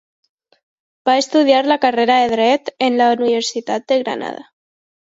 Va estudiar la carrera de Dret, en la universitat de Granada.